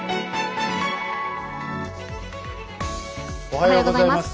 おはようございます。